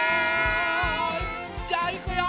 じゃあいくよ。